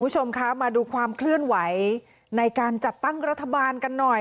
คุณผู้ชมคะมาดูความเคลื่อนไหวในการจัดตั้งรัฐบาลกันหน่อย